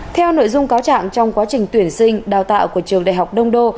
theo nội dung cáo trạng trong quá trình tuyển sinh đào tạo của trường đại học đông đô